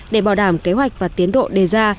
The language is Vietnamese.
để bảo đảm kế hoạch và tiến độ đề ra